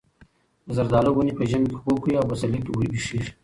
د زردالو ونې په ژمي کې خوب کوي او په پسرلي کې ویښېږي.